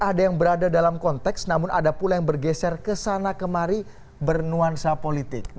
ada yang berada dalam konteks namun ada pula yang bergeser ke sana kemari bernuansa politik